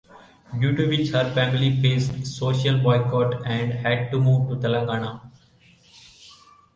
Due to which her family faced social boycott and had to move to Telangana.